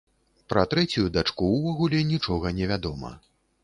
Пра трэцюю дачку ўвогуле нічога невядома.